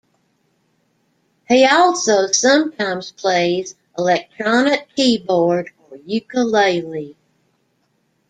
He also sometimes plays electronic keyboard or ukulele.